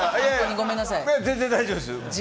いや、全然大丈夫ですよ。